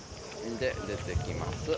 で出てきます。